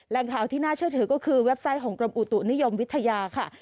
ข่าวที่น่าเชื่อถือก็คือเว็บไซต์ของกรมอุตุนิยมวิทยาค่ะ